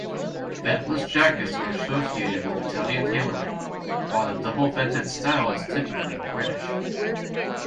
Ventless jackets are associated with Italian tailoring, while the double-vented style is typically British.